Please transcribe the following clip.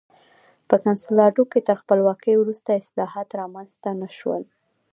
په کنسولاډو کې تر خپلواکۍ وروسته اصلاحات رامنځته نه شول.